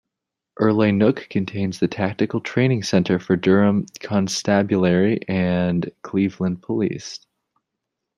Urlay Nook contains the Tactical Training Centre for Durham Constabulary and Cleveland Police.